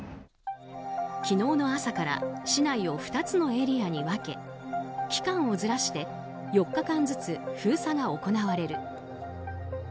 昨日の朝から市内を２つのエリアに分け期間をずらして４日間ずつ封鎖が行われる。